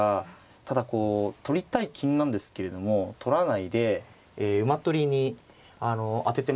ただこう取りたい金なんですけれども取らないで馬取りに当ててますよね。